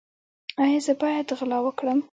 ایا زه باید غلا وکړم؟